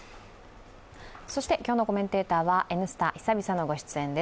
そして今日のコメンテーターは「Ｎスタ」久々のご出演です。